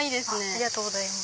ありがとうございます。